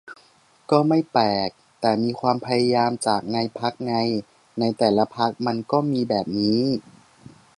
ก็ไม่แปลก แต่มีความพยายามจากในพรรคไง ในแต่ละพรรคมันก็มีแบบนี้